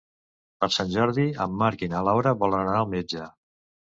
Per Sant Jordi en Marc i na Laura volen anar al metge.